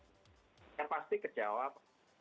saya pasti kejawab